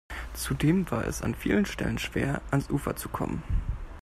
Zudem war es an vielen Stellen schwer, ans Ufer zu kommen.